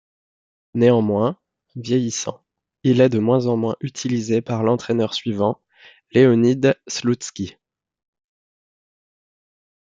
Néanmoins, vieillissant, il est de moins en moins utilisé par l'entraîneur suivant, Leonid Sloutski.